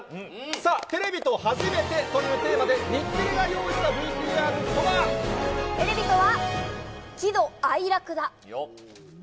さあ、テレビと初めてというテーマで日テレが用意したＶＴＲとは。テレビとは、喜怒哀楽だ。